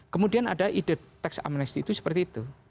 kemudian ada ide tax amnesty itu seperti itu